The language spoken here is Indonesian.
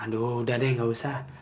aduh udah deh gak usah